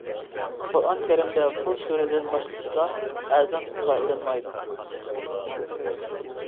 قۇرئان كەرىمدە بۇ سۈرىدىن باشقىسىدا ئەزان تىلغا ئېلىنمايدۇ.